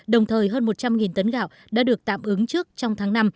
đồng thời hơn một trăm linh tấn gạo đã được tạm ứng trước trong tháng năm